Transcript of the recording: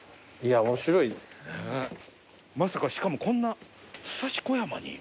まさかしかもこんな武蔵小山に。